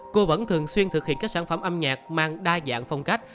cô vẫn thường xuyên thực hiện các sản phẩm âm nhạc mang đa dạng phong cách